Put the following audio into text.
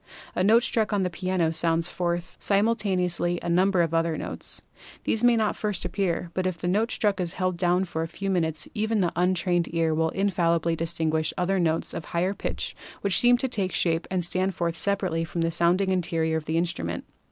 A note struck on the piano sounds forth simultaneously a number of other notes. These may not at first appear, but if the note struck is held down for a few minutes even the untrained ear will infallibly distin guish other notes of higher pitch which seem to take shape and stand forth separately from the sounding interior of the instrument.